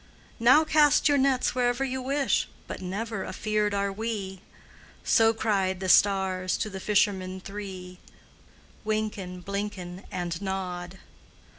"Now cast your nets wherever you wish, But never afeard are we!" So cried the stars to the fishermen three, Wynken, Blynken, And Nod.